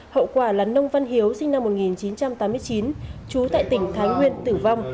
hậu quả là nông văn hiếu sinh năm một nghìn chín trăm tám mươi chín trú tại tỉnh thái nguyên tử vong